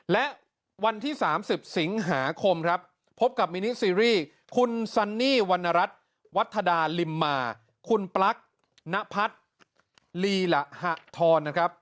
และวันที่๓๐สิงหาคมครับพบกับมินิซีรีส์คุณซันนี่วรรณรัฐวัฒนาลิมมาคุณปลั๊กนพัฒน์ลีละหะทรนะครับ